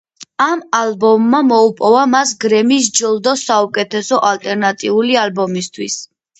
ამ ალბომმა მოუპოვა მას გრემის ჯილდო საუკეთესო ალტერნატიული ალბომისთვის.